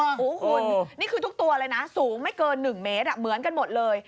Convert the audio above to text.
โอ้โหคุณนี่คือทุกตัวเลยนะสูงไม่เกิน๑เมตรเหมือนกันหมดเลย